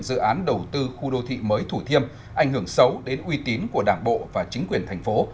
dự án đầu tư khu đô thị mới thủ thiêm ảnh hưởng xấu đến uy tín của đảng bộ và chính quyền thành phố